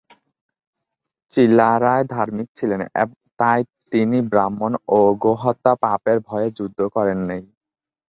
চিলারায় ধার্মিক ছিলেন তাই তিনি ব্রাহ্মণ ও গো-হত্যা পাপের ভয়ে যুদ্ধ করেন নাই।